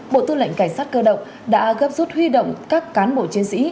bộ tư lệnh cảnh sát cơ động đã gấp rút huy động các cán bộ chiến sĩ